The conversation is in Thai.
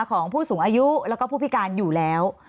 ของผู้สูงอายุแล้วก็ผู้พิการอยู่แล้ว